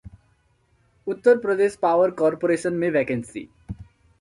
उत्तर Pradesh power corporation में vacancy